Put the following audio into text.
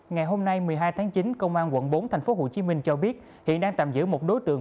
ngày hôm nay một mươi hai tháng chín công an quận bốn tp hcm cho biết hiện đang tạm giữ một đối tượng